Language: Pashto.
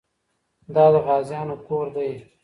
دا د غازيانو کور دی.